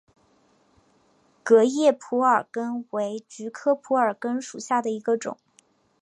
革叶蒲儿根为菊科蒲儿根属下的一个种。